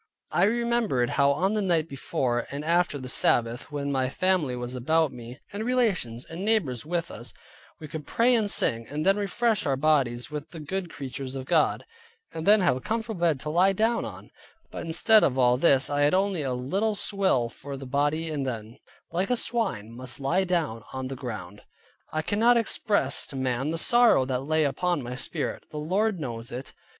I remembered how on the night before and after the Sabbath, when my family was about me, and relations and neighbors with us, we could pray and sing, and then refresh our bodies with the good creatures of God; and then have a comfortable bed to lie down on; but instead of all this, I had only a little swill for the body and then, like a swine, must lie down on the ground. I cannot express to man the sorrow that lay upon my spirit; the Lord knows it.